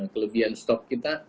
kelebihan stok kita